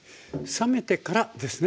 冷めてからですね？